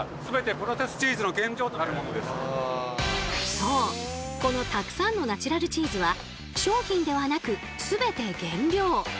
そうこのたくさんのナチュラルチーズは商品ではなく全て原料。